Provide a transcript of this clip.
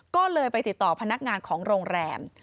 ก็เลยไปติดต่อพนักงานของโรงแรม